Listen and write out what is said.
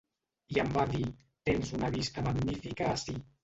I em va dir, tens una vista magnífica ací.